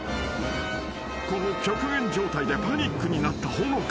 ［この極限状態でパニックになったほのか］